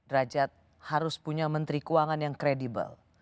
derajat harus punya menteri keuangan yang kredibel